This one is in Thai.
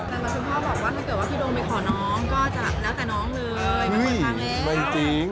แต่คุณพ่อบอกว่าถ้าเกิดว่าพี่โดมไปขอน้อง